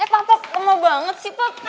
eh pak pak lama banget sih pak